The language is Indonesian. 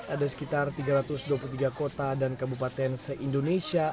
ada sekitar tiga ratus dua puluh tiga kota dan kabupaten se indonesia